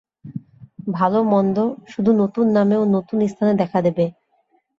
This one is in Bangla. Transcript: ভাল মন্দ শুধু নূতন নামে ও নূতন স্থানে দেখা দেবে।